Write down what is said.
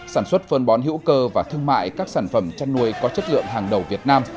sản xuất phân bón hữu cơ và thương mại các sản phẩm chăn nuôi có chất lượng hàng đầu việt nam